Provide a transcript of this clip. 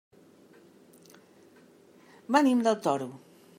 Venim del Toro.